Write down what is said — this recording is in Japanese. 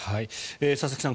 佐々木さん